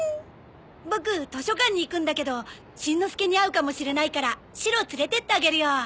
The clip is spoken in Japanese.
ボク図書館に行くんだけどしんのすけに会うかもしれないからシロを連れてってあげるよ。